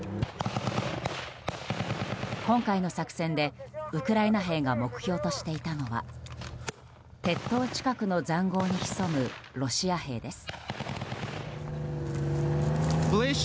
今回の作戦で、ウクライナ兵が目標としていたのは鉄塔近くの塹壕に潜むロシア兵です。